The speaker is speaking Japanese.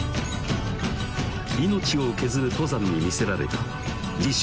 命を削る登山に魅せられた自称